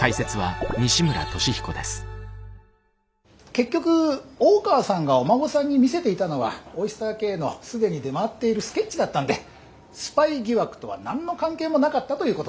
結局大川さんがお孫さんに見せていたのはオイスターＫの既に出回っているスケッチだったんでスパイ疑惑とは何の関係もなかったということだ。